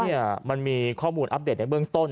เนี่ยมันมีข้อมูลอัปเดตในเบื้องต้น